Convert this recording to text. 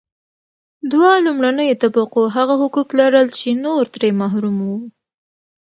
دوه لومړنیو طبقو هغه حقوق لرل چې نور ترې محروم وو.